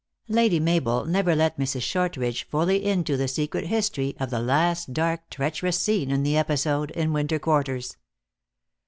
Lady Mabel never let Mrs. Shortridge fully into the secret history of the last dark treacherous scene in the episode in winter quarters.